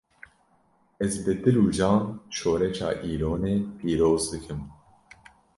Ez bi dil û can şoreşa Îlonê pîroz dikim